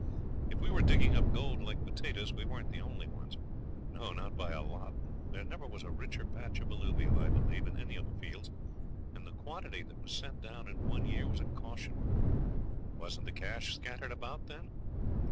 If we were digging up gold like potatoes we weren't the only ones. No, not by a lot. There never was a richer patch of alluvial, I believe, in any of the fields, and the quantity that was sent down in one year was a caution. Wasn't the cash scattered about then?